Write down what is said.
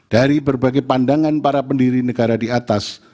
dari berbagai pandangan para pendiri negara di atas